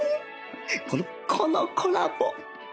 このこのコラボ！